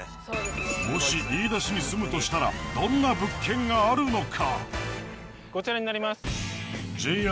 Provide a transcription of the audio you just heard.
もし飯田市に住むとしたらどんな物件があるのか？